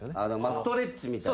ストレッチみたいな。